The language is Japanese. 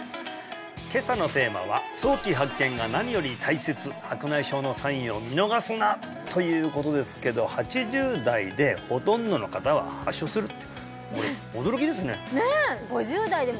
今朝のテーマは早期発見が何より大切ということですけど８０代でほとんどの方は発症するってこれ驚きですねねえ！